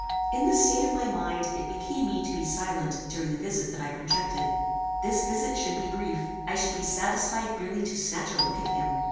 In this state of my mind it became me to be silent during the visit that I projected. This visit should be brief: I should be satisfied merely to snatch a look at him.